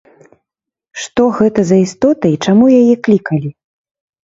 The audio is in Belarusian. Што гэта за істота і чаму яе клікалі?